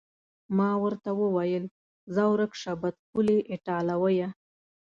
ما ورته وویل: ځه ورک شه، بدخولې ایټالویه.